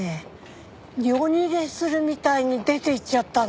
夜逃げするみたいに出て行っちゃったの。